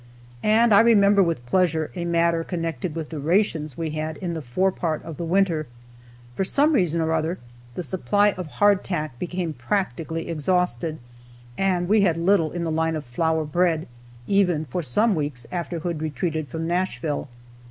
And I remember with pleasure a matter connected with the rations we had in the fore part of the winter. For some reason or other the supply of hardtack became practically exhausted, and we had but little in the line of flour bread, even for some weeks after Hood retreated from Nashville.